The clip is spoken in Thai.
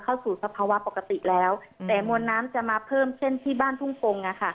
สภาวะปกติแล้วแต่มวลน้ำจะมาเพิ่มเช่นที่บ้านทุ่งกง